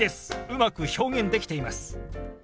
うまく表現できています。